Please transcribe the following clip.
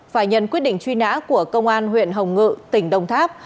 phải nhận quyết định truy nã của công an huyện hồng ngự tỉnh đồng tháp